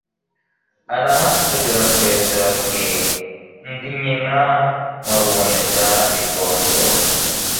Arahasubira RweseroAti: ndi nyina wa Ruboneza-bigondo